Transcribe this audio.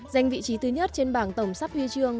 giành vị trí thứ nhất trên bảng tổng sắp huy chương